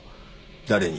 誰に？